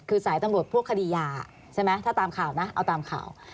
คือสายตำรวจพวกคดียาใช่ไหมถ้าตามข่าวนะเอาตามข่าว